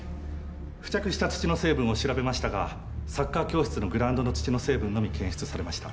付着した土の成分を調べましたがサッカー教室のグラウンドの土の成分のみ検出されました。